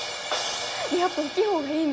やっぱ大っきいほうがいいの？